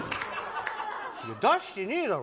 出してねえだろ。